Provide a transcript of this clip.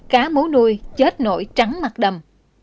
cá mú nuôi chết nổi trắng mặt đầm